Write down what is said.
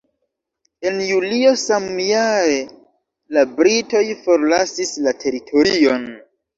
En julio samjare, la britoj forlasis la teritorion.